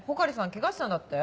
ケガしたんだって？